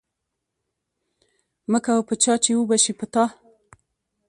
ـ مه کوه په چا ،چې وبشي په تا.